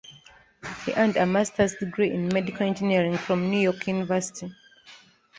He earned a master's degree in medical engineering from New York University.